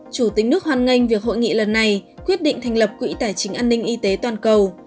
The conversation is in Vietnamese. chủ tịch nước hoan nghênh việc hội nghị lần này quyết định thành lập quỹ tài chính an ninh y tế toàn cầu